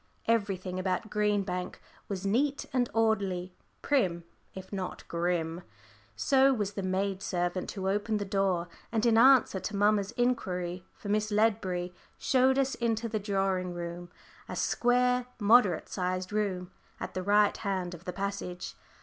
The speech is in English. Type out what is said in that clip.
Everything about Green Bank was neat and orderly, prim, if not grim. So was the maid servant who opened the door, and in answer to mamma's inquiry for Miss Ledbury, showed us into the drawing room, a square moderate sized room, at the right hand of the passage.